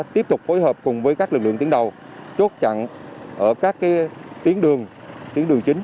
tiếp tục phối hợp cùng với các lực lượng tiến đầu chốt chặn ở các cái tiến đường tiến đường chính